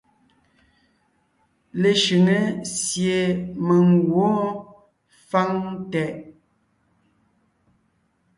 Leshʉŋé sie mèŋ gwǒon fáŋ tɛʼ.